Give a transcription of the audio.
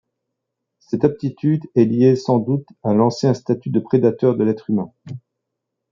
Cette aptitude est liée sans doute à l'ancien statut de prédateur de l'être humain.